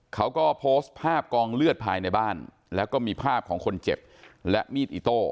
เขาก็โพสต์ภาพกองเลือดภายในบ้านแล้วก็มีภาพของคนเจ็บและมีดอิโต้